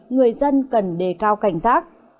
người dân cần đề cao cảnh giác